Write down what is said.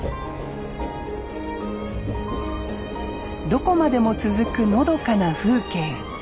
どこまでも続くのどかな風景。